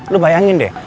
lu bayangin deh